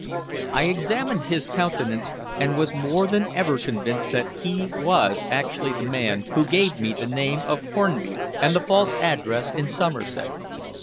I examined his countenance, and was more than ever convinced that he was actually the man who gave me the name of Hornby and the false address in Somerset.